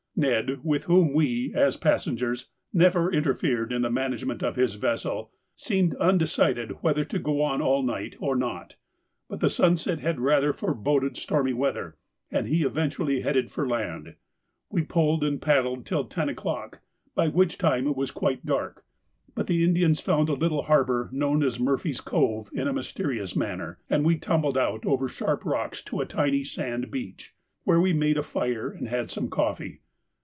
Ned, with whom we, as passengers, never interfered in the management of his vessel, seemed undecided whether to go on all night or not, but the sunset had rather foreboded stormy weather, and he eventually headed for land. We pulled and paddled till ten o'clock, by which time it was quite dark, but the Indians found a little harbour known as Murphy's Cove in a mysterious manner, and we tumbled out over sharp rocks to a tiny sandbeach, where we made a fire and had some coffee.